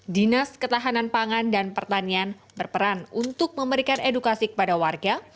dinas ketahanan pangan dan pertanian berperan untuk memberikan edukasi kepada warga